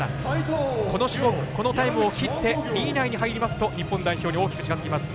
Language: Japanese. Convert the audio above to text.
この種目、このタイムを切って２位以内に入りますと日本代表に近づきます。